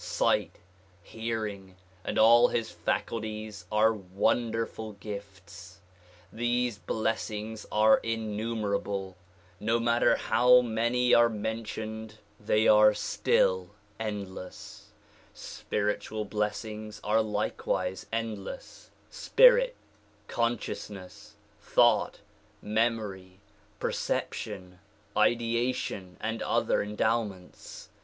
Sight, hearing and all his faculties are wonderful gifts. These blessings are innumerable ; no matter how many are mentioned 232 THE PROMULGATION OF UNIVERSAL PEACE they are still endless. Spiritual blessings are likewise endless; spirit, consciousness, thought, memory, perception, ideation and other endowments.